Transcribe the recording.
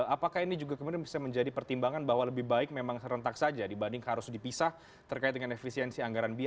apakah ini juga kemudian bisa menjadi pertimbangan bahwa lebih baik memang serentak saja dibanding harus dipisah terkait dengan efisiensi anggaran biaya